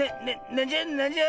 なんじゃなんじゃ？